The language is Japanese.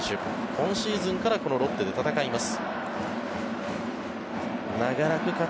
今シーズンからこのロッテで戦います。